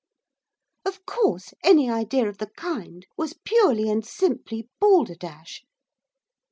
Of course, any idea of the kind was purely and simply balderdash.